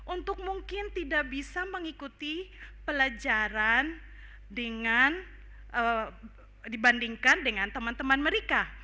untuk mungkin tidak bisa mengikuti pelajaran dibandingkan dengan anak anak kita